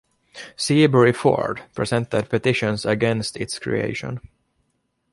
Seabury Ford presented petitions against its creation.